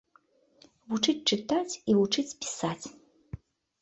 Вучыць чытаць і вучыць пісаць.